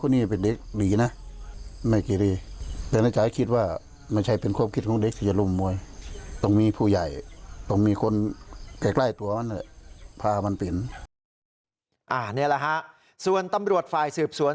นี่แหละฮะส่วนตำรวจฝ่ายสืบสวน